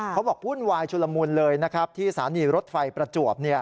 เขาบอกวุ่นวายชุดละมูลเลยที่ศาลีรถไฟประจวบ